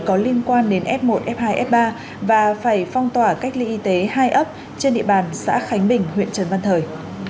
có liên quan đến f một f hai f ba và phải phong tỏa cách ly y tế hai ấp trên địa bàn xã khánh bình huyện trần văn thời